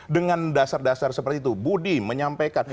dengan dasar dasar seperti itu budi menyampaikan